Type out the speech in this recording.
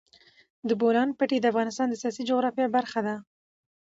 د بولان پټي د افغانستان د سیاسي جغرافیه برخه ده.